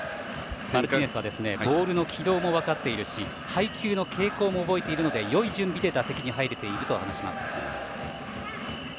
マルティネスはボールの軌道も分かっているし配球の傾向も覚えているのでよい準備で打席に入れていると話します。